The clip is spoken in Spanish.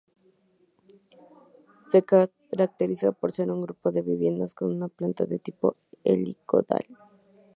Se caracteriza por ser un grupo de viviendas con una planta de tipo helicoidal.